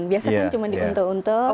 biasanya cuma di untung untung